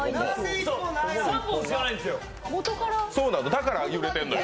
だから揺れてんのよ。